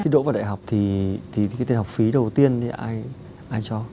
thì đổ vào đại học thì cái tiền học phí đầu tiên thì ai cho